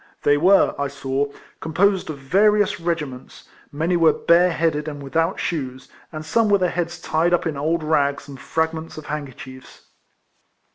They were, I saw, composed of various regiments; many were bare headed, and without shoes; and some with their heads tied up in old rags and fragments of handkerchiefs.